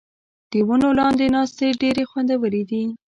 د ونو لاندې ناستې ډېرې خوندورې دي.